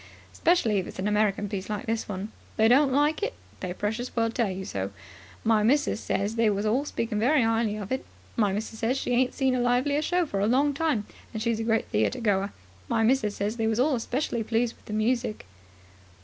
Specially if it's an American piece like this one. If they don't like it, they precious soon let you know. My missus ses they was all speakin' very 'ighly of it. My missus says she ain't seen a livelier show for a long time, and she's a great theatregoer. My missus says they was all specially pleased with the music."